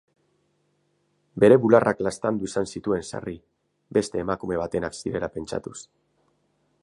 Bere bularrak laztandu izan zituen sarri, beste emakume batenak zirela pentsatuz.